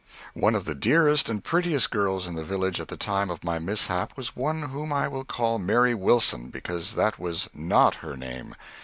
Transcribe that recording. One of the dearest and prettiest girls in the village at the time of my mishap was one whom I will call Mary Wilson, because that was not her name.